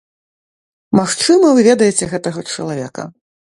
Магчыма, вы ведаеце гэтага чалавека.